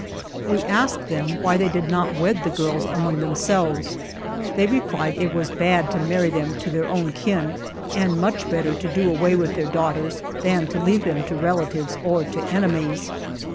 We asked them why they did not wed the girls among themselves. They replied it was bad to marry them to their own kin, and much better to do away with their daughters than to leave them to relatives or to enemies.